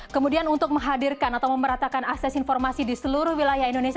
kemudian untuk menghadirkan atau memeratakan akses informasi di seluruh wilayah indonesia